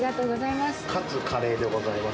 勝つカレーでございます。